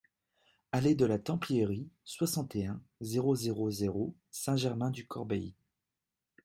Allée de la Templierie, soixante et un, zéro zéro zéro Saint-Germain-du-Corbéis